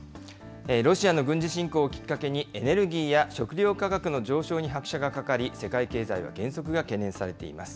ロシアの軍事侵攻をきっかけに、エネルギーや食料価格の上昇に拍車がかかり、世界経済の減速が懸念されています。